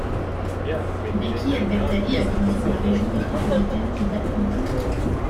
Becky Albertalli a grandi dans la région métropolitaine d'Atlanta.